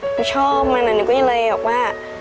หนูชอบมันหนูก็ยังเลยบอกว่า